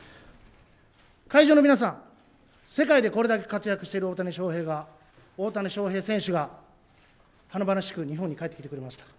会場の皆さん、世界でこれだけ活躍している大谷翔平が大谷翔平選手が、華々しく日本に帰ってきてくれました。